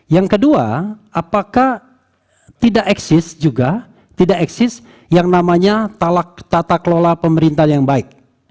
yang kedua apakah tidak eksis juga tidak eksis yang namanya tata kelola pemerintahan yang baik